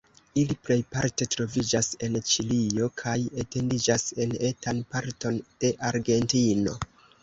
Ili plejparte troviĝas en Ĉilio kaj etendiĝas en etan parton de Argentino.